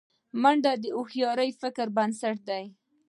منډه د هوښیار فکر بنسټ دی